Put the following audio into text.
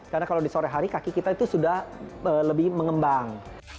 karena kalau di sore hari kaki kita itu sudah lebih mengembang